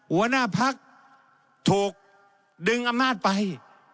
หัวหน้าพักถูกดึงอำนาจไป